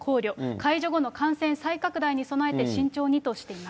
解除後の感染再拡大に備えて慎重にとしています。